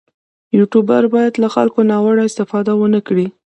یوټوبر باید له خلکو ناوړه استفاده ونه کړي.